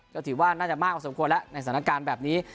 ก็ถือว่าน่าจะมากพอสมควรแล้วในสถานการณ์แบบนี้